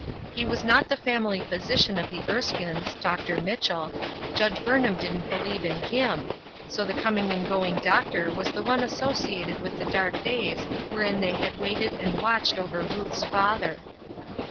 He was not the family physician of the Erskines — Dr. Mitchell — Judge Burn ham didn't believe in him^ so the coming and go ing doctor was the one associated with the dark days wherein they had waited and watched over Ruth's father.